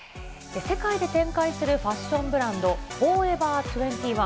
世界で展開するファッションブランド、フォーエバー２１。